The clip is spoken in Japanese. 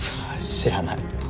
知らない。